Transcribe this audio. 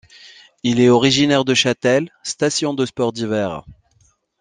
Il est originaire de Châtel, station de sports d'hiver.